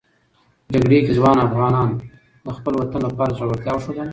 جګړې کې ځوان افغانان د خپل وطن لپاره زړورتیا وښودله.